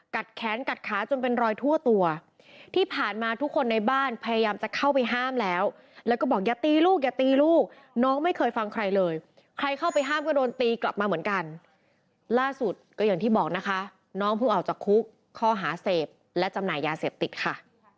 แขนกัดขาจนเป็นรอยทั่วตัวที่ผ่านมาทุกคนในบ้านพยายามจะเข้าไปห้ามแล้วแล้วก็บอกอย่าตีลูกอย่าตีลูกน้องไม่เคยฟังใครเลยใครเข้าไปห้ามก็โดนตีกลับมาเหมือนกันล่าสุดก็อย่างที่บอกนะคะน้องเพิ่งออกจากคุกข้อหาเสพและจำหน่ายยาเสพติดค่ะ